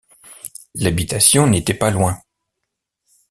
L’habitation n’était pas loin